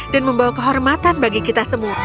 dan membawa kehormatan bagi kita semua